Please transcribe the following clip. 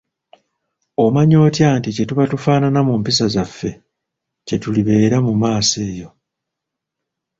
Omanya otya nti kyetuba tufaanana mu mpisa zaffe, kyetulibeera mumaaso eyo?